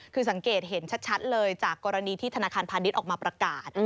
คือสังเกตเห็นชัดเลยจากกรณีที่ธนาคารพาณิชย์ออกมาประกาศ